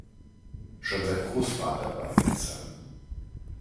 Schon sein Großvater war Winzer.